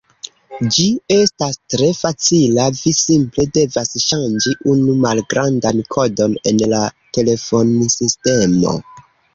Ĝi estas tre facila: vi simple devas ŝanĝi unu malgrandan kodon en la telefonsistemo.